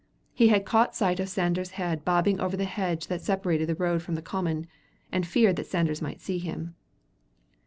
He had caught sight of Sanders's head bobbing over the hedge that separated the road from the common, and feared that Sanders might see him.